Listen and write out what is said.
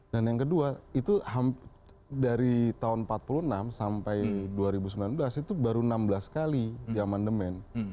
dan yang kedua itu dari tahun seribu sembilan ratus empat puluh enam sampai dua ribu sembilan belas itu baru enam belas kali di amandemen